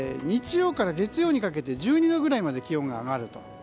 日曜から月曜にかけて１２度くらいまで気温が上がると。